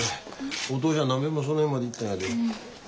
お父ちゃん何べんもその辺まで行ったんやで。